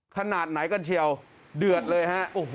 ขนาดไหนกันเชียวเดือดเลยฮะ